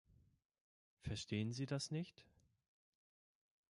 Verstehen Sie das nicht?